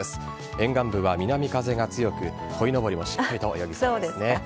沿岸部は南風が強くこいのぼりも、しっかりと泳ぎそうですね。